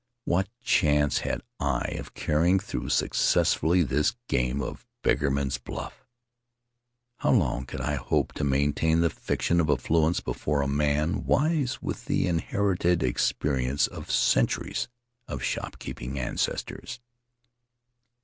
What chance had I of carrying through successfully this game of beggarman's bluff? How long could I hope to maintain the fiction of affluence before a man wise with the inherited experience of centuries of shopkeeping ancestors?